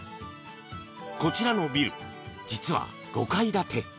こちらのビル、実は５階建て。